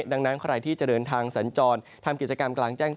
ดังนั้นใครที่จะเดินทางสัญจรทำกิจกรรมกลางแจ้ง